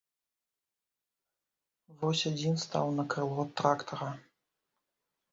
Вось адзін стаў на крыло трактара.